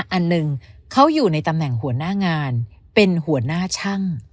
อันหนึ่งเขาอยู่ในตำแหน่งหัวหน้างานเป็นหัวหน้าช่าง